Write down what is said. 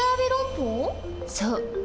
そう。